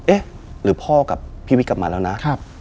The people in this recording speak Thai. เอ๊ะหรือพ่อกับพี่วิทย์กลับมาแล้วนะ